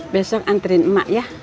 besok anterin mak ya